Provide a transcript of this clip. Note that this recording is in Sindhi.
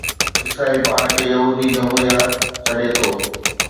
اسرائيل پاڻ کي يهودي جمهوريه سڏي ٿو